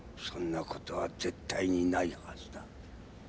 そんな事は絶対にないはずだ。